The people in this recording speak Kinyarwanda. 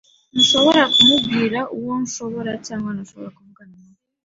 Ntushobora kumbwira uwo nshobora cyangwa ntashobora kuvugana nabo.